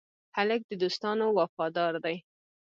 هلک د دوستانو وفادار دی.